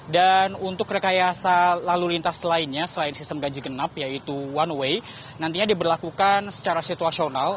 dan untuk rekayasa lalu lintas lainnya selain sistem ganjil genap yaitu one way nantinya diberlakukan secara situasional